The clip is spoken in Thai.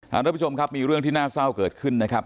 ท่านผู้ชมครับมีเรื่องที่น่าเศร้าเกิดขึ้นนะครับ